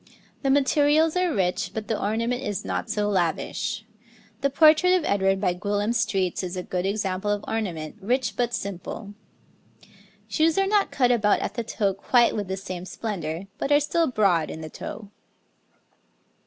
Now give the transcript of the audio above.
The materials are rich, but the ornament is not so lavish; the portrait of Edward by Gwillim Stretes is a good example of ornament, rich but simple. Shoes are not cut about at the toe quite with the same splendour, but are still broad in the toe.